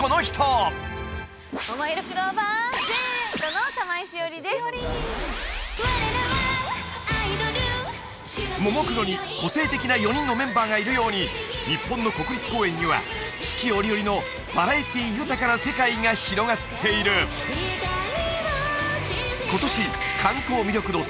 ももいろクローバーＺの玉井詩織ですももクロに個性的な４人のメンバーがいるように日本の国立公園には四季折々のバラエティー豊かな世界が広がっている今年観光魅力度